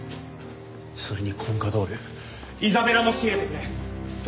それにコンカドールイザベラも仕入れてくれ。